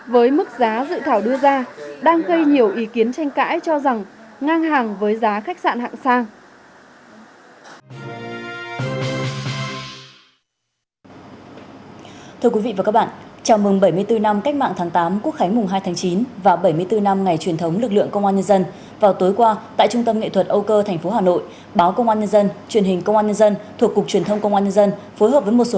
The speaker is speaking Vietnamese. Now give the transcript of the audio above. với mức giá dự thảo đưa ra đang gây nhiều ý kiến tranh cãi cho rằng ngang hàng với giá khách sạn hạng sang